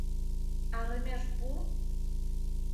Арымеш пу!